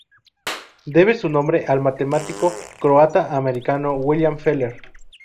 Debe su nombre al matemático croata-americano William Feller.